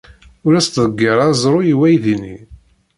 Ur as-ttḍeggir aẓru i weydi-nni.